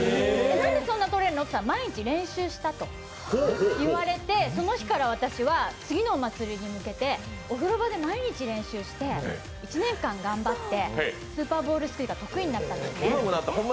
なんでそんなに取れるの？と聞いたら毎日練習したと言われてその日から私は次の祭りに向けてお風呂場で毎日練習して１年間頑張ってスーパーボールすくいが得意になったんですね。